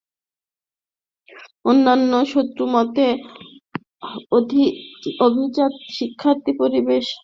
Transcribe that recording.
অন্যান্য সূত্রমতে অভিজাত শিক্ষিত পরিবারে জন্মগ্রহণ করায় বোর্ন তার নৈতিক দায়িত্ব হতেই এ কাজে অনুপ্রাণিত হন।